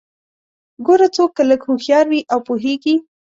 ګوره څوک که لږ هوښيار وي او پوهیږي